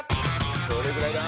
どれぐらいだ？